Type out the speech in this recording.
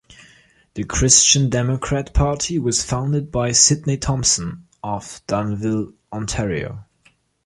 The Christian Democrat Party was founded by Sydney Thompson, of Dunnville, Ontario.